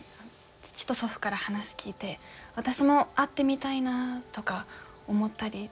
父と祖父から話聞いて私も会ってみたいなとか思ったりしたものですから。